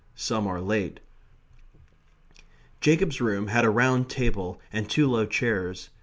Some are late. Jacob's room had a round table and two low chairs.